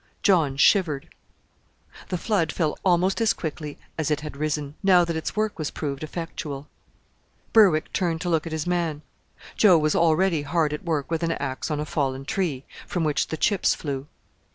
John shivered. The flood fell almost as quickly as it had risen, now that its work was proved effectual. Berwick turned to look at his man. Joe was already hard at work with an axe on a fallen tree, from which the chips flew.